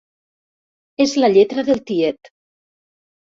És la lletra del tiet.